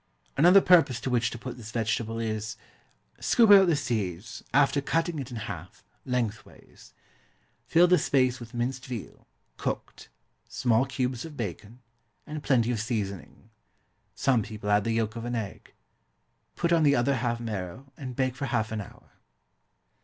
Another purpose to which to put this vegetable is Scoop out the seeds, after cutting it in half, lengthways. Fill the space with minced veal (cooked), small cubes of bacon, and plenty of seasoning some people add the yoke of an egg put on the other half marrow, and bake for half an hour.